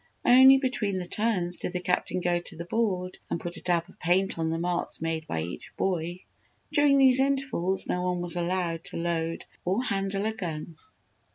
Only between the turns did the Captain go to the board and put a dab of paint on the marks made by each boy. During these intervals no one was allowed to load or handle a gun.